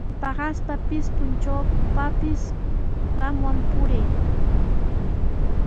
Paqaspapis, puntrawpapis qamwan purii.